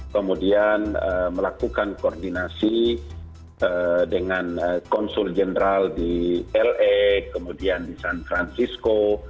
kemudian melakukan koordinasi dengan konsul jenderal di la kemudian di san francisco